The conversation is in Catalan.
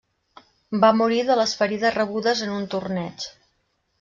Va morir de les ferides rebudes en un torneig.